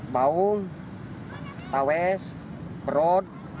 bawung taues perut